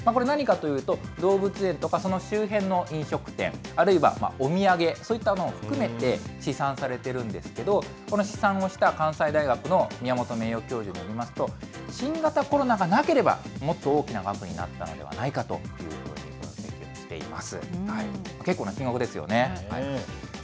これ、何かというと、動物園とか、その周辺の飲食店、あるいはお土産、そういったものを含めて試算されているんですけれども、この試算をした関西大学の宮本名誉教授によりますと、新型コロナがなければ、もっと大きな額になったのではないかというふうに分析しています。